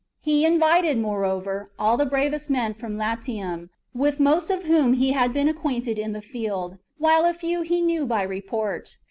He invited, moreover, all the bravest men from Latium, with most of whom he had been acquainted in the field, while a few he knew by report.